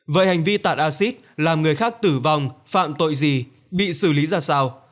vậy hành vi tạt acid làm người khác tử vong phạm tội gì bị xử lý ra sao